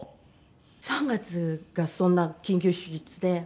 ３月がそんな緊急手術で。